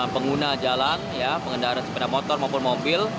pengguna jalan pengendara sepeda motor maupun mobil